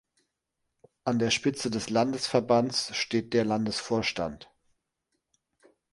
An der Spitze des Landesverbands steht der Landesvorstand.